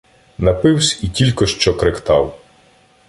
Напивсь — і тілько що кректав.